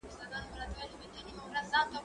ايا ته انځور ګورې!.